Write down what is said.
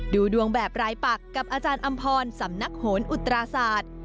ดูดวงแบบรายปักกับอาจารย์อำพรสำนักโหนอุตราศาสตร์